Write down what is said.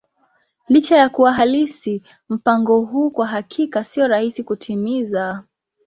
Licha ya kuwa halisi, mpango huu kwa hakika sio rahisi kutimiza.